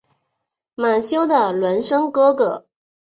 马修的孪生哥哥。